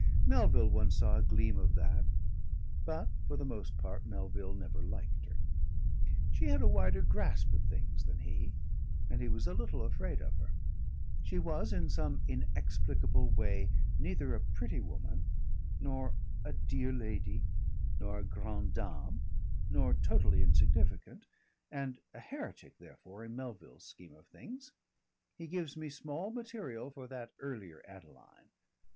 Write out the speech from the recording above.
Melville once saw a gleam of that, but for the most part Melville never liked her; she had a wider grasp of things than he, and he was a little afraid of her; she was in some inexplicable way neither a pretty woman nor a "dear lady" nor a grande dame nor totally insignificant, and a heretic therefore in Melville's scheme of things. He gives me small material for that earlier Adeline.